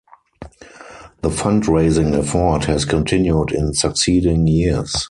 The fund raising effort has continued in succeeding years.